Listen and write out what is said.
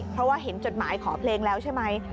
เพราะว่าเห็นจดหมายขอเพลงแล้วใช่ไหม